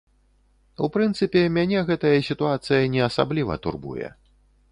У прынцыпе, мяне гэтая сітуацыя не асабліва турбуе.